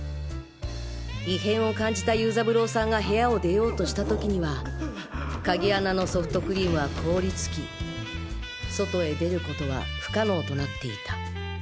異変を感じた游三郎さんが部屋を出ようとしたときには鍵穴のソフトクリームは凍りつき外へ出ることは不可能となっていた。